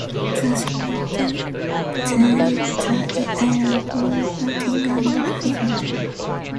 The Seneca then used the island for hunting and fishing.